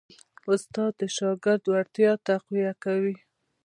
استاد د شاګرد وړتیا تقویه کوي.